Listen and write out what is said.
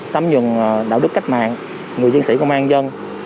tấm nhuận đạo đức cách mạng người diễn sĩ công an dân